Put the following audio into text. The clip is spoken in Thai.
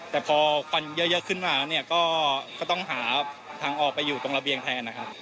แต่พอควันเยอะขึ้นมาเนี่ยก็ต้องหาทางออกไปอยู่ตรงระเบียงแทนนะครับ